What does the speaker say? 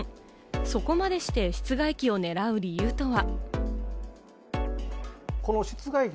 そこまでして室外機を狙う理由とは？